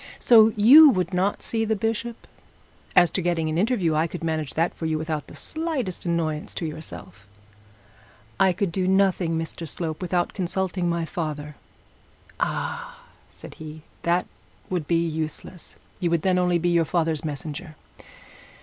So you would not see the bishop? As to getting an interview, I could manage that for you without the slightest annoyance to yourself.' 'I could do nothing, Mr Slope, without consulting my father.' 'Ah!' said he, 'that would be useless; you would then only be your father's messenger.